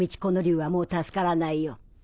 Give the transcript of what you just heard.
この竜はもう助からないよ。